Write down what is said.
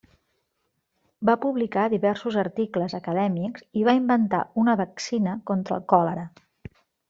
Va publicar diversos articles acadèmics i va inventar una vaccina contra el còlera.